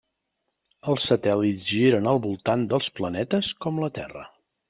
Els satèl·lits giren al voltant dels planetes com la Terra.